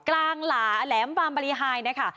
กลางหลาแหลมบาลีฮายนะค่ะ